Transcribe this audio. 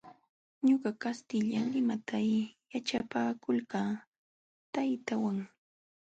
Ñuqa kastilla limayta yaćhapakulqaa taytaawanmi.